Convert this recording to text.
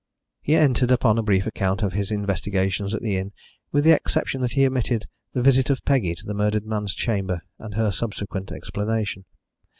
He entered upon a brief account of his investigations at the inn, with the exception that he omitted the visit of Peggy to the murdered man's chamber and her subsequent explanation.